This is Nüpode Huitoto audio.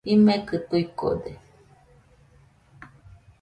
Jimekɨ tuikode.